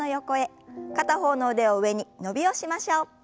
片方の腕を上に伸びをしましょう。